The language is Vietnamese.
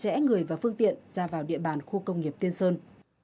các lực lượng trẻ người và phương tiện ra vào địa bàn khu công nghiệp tiên sơn